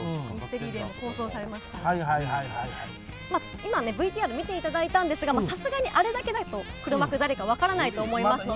今ね、ＶＴＲ見ていただいたんですが、さすがにあれだけだと黒幕誰だか分からないと思いますので。